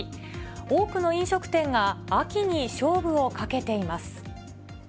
多くの飲食店が秋に勝負をかけています。